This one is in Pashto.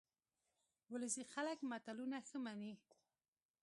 ولسي خلک متلونه ښه مني